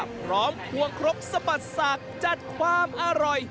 ควงครกสะบัดสากจัดความอร่อย